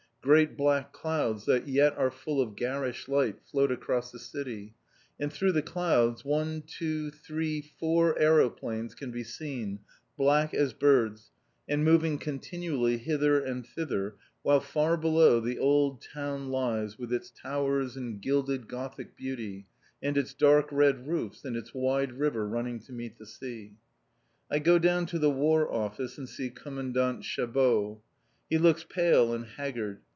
Great black clouds that yet are full of garish light float across the city, and through the clouds one, two, three, four aeroplanes can be seen, black as birds, and moving continually hither and thither, while far below the old town lies, with its towers and gilded Gothic beauty, and its dark red roofs, and its wide river running to meet the sea. I go down to the War Office and see Commandant Chabeau. He looks pale and haggard.